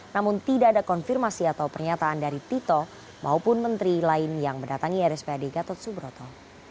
namun tidak ada konfirmasi atau pernyataan dari tito maupun menteri lain yang mendatangi rspad gatot subroto